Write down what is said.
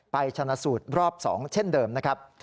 ชนะสูตรรอบ๒เช่นเดิมนะครับ